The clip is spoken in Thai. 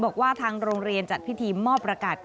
บอกว่าทางโรงเรียนจัดพิธีมอบประกาศ